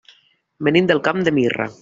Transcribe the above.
Venim del Camp de Mirra.